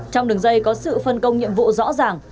trong đường dây có sự phân công nhiệm vụ rõ ràng